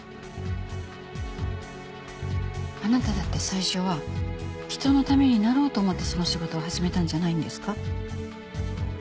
あなただって最初は人のためになろうと思ってその仕事を始めたんじゃないんですか？